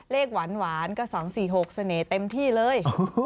หวานก็๒๔๖เสน่ห์เต็มที่เลย